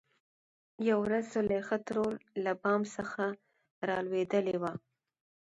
يوه ورځ زليخا ترور له بام څخه رالوېدلې وه .